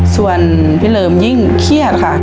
ส่วนพี่เหลิมยิ่งเครียดค่ะ